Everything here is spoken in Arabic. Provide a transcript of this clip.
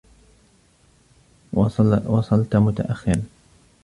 وصلتَ متأخّرا.